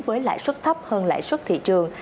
với lạ suất thấp hơn lạ suất thị trường